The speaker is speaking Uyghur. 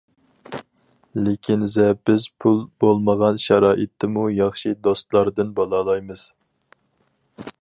لېكىنزە بىز پۇل بولمىغان شارائىتتىمۇ ياخشى دوستلاردىن بولالايمىز.